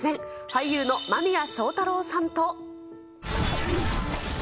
俳優の間宮祥太朗さんと。